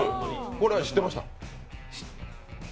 これは知ってました？